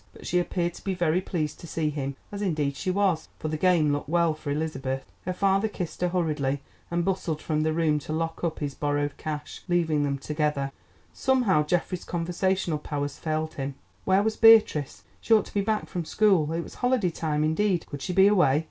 But she appeared to be very pleased to see him, as indeed she was, for the game looked well for Elizabeth. Her father kissed her hurriedly, and bustled from the room to lock up his borrowed cash, leaving them together. Somehow Geoffrey's conversational powers failed him. Where was Beatrice? she ought to be back from school. It was holiday time indeed. Could she be away?